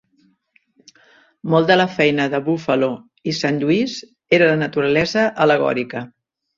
Molt de la feina de Buffalo i Sant Lluís era de naturalesa al·legòrica.